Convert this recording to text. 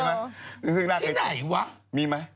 ไม่เป็นไรพี่อย่ากลัว